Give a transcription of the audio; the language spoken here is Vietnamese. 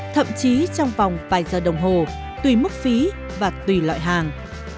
thậm chí trong vòng vài giờ đồng hồ tùy mức phí và tùy loại hàng